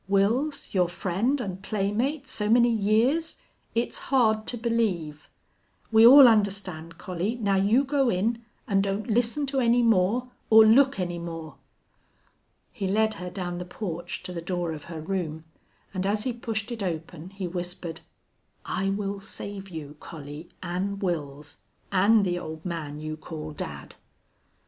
Wils, your friend and playmate so many years it's hard to believe! We all understand, Collie. Now you go in, an' don't listen to any more or look any more." He led her down the porch to the door of her room, and as he pushed it open he whispered, "I will save you, Collie, an' Wils, an' the old man you call dad!"